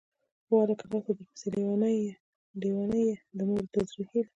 واه هلکه!!! راسه درپسې لېونۍ يه ، د مور د زړه هيلهٔ